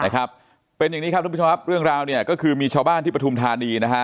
นะครับเป็นอย่างนี้ครับทุกผู้ชมครับเรื่องราวเนี่ยก็คือมีชาวบ้านที่ปฐุมธานีนะฮะ